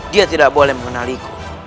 dia tidak boleh mengenaliku